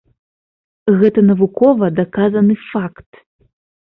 Гэта навукова даказаны факт.